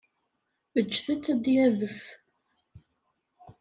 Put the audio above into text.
Ǧǧet-t ad d-yadef.